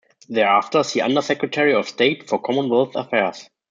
Thereafter, see Under-Secretary of State for Commonwealth Affairs.